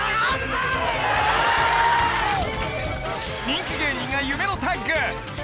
人気芸人が夢のタッグ！